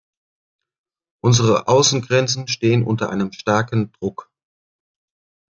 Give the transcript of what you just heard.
Unsere Außengrenzen stehen unter einem starken Druck.